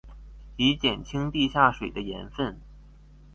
以減輕地下水的鹽分